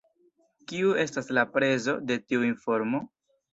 Kiu estas la prezo de tiu informo?